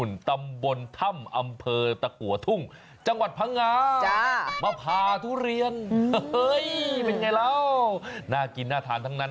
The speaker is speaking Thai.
อยากจะเป็นช้าง